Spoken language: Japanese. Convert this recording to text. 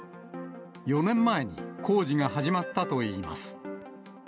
４年前に工事が始まったといいます。